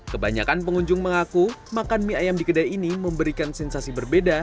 kebanyakan pengunjung mengaku makan mie ayam di kedai ini memberikan sensasi berbeda